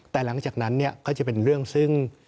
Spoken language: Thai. แต่หลังจากนั้นเนี่ยก็จะเป็นเรื่องซึ่ง